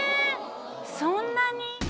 そんなに？